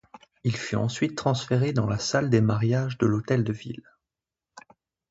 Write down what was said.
Il fut ensuite transféré dans la salle des mariages de l'hôtel de ville.